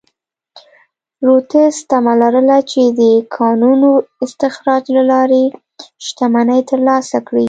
رودز تمه لرله چې د کانونو استخراج له لارې شتمنۍ ترلاسه کړي.